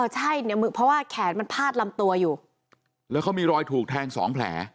ใช่เนี่ยมือเพราะว่าแขนมันพาดลำตัวอยู่แล้วเขามีรอยถูกแทงสองแผล